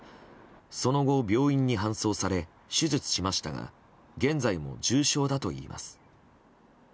その後、病院に搬送され手術しましたが現在も重傷だといいます。